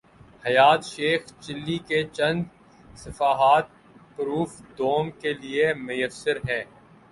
حیات شیخ چلی کے چند صفحات پروف دوم کے لیے میسر ہیں۔